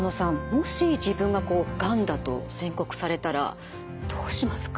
もし自分ががんだと宣告されたらどうしますか？